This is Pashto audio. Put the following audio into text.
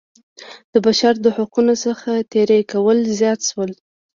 د بشر د حقونو څخه تېری کول زیات شول.